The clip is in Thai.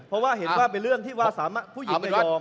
เพราะว่าเห็นว่าเป็นเรื่องที่ผู้หญิงไม่ดีมายอม